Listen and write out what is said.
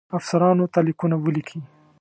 افسرانو ته لیکونه ولیکي.